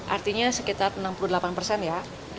artinya sekitar enam puluh delapan persen ya